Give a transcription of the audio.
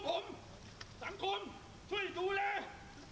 เพราะฉะนั้นเราก็ให้ความเป็นธรรมทุกคนอยู่แล้วนะครับ